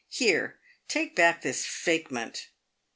Here, take back this 'fakement.'"